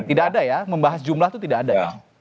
tidak ada ya membahas jumlah itu tidak ada